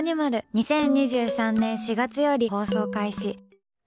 ２０２３年４月より放送開始。